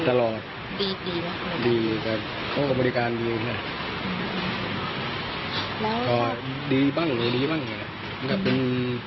ตลอดดีมากเลยดีแต่ของบริการดีไหมอืมแล้วครับดีบ้างหรือดีบ้างเหรอมันก็เป็น